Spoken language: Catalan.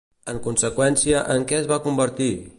En conseqüència, en què es va convertir?